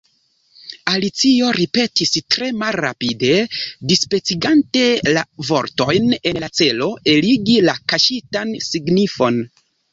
Alicio ripetis tre malrapide, dispecigante la vortojn en la celo eligi la kaŝitan signifon.